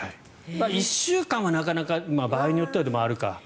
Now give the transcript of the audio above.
１週間はなかなか場合によってはあるか。